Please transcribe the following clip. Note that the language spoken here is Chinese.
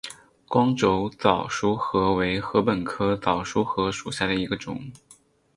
光轴早熟禾为禾本科早熟禾属下的一个种。